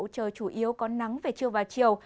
trời chủ yếu có nắng về trưa và chiều